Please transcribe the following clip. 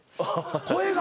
声が？